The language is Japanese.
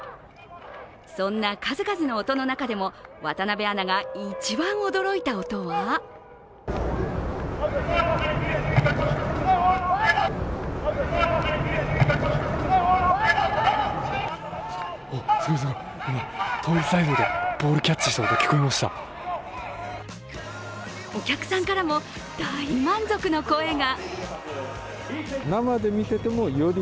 そんな数々の音の中でも渡部アナが一番驚いた音はお客さんからも大満足の声が。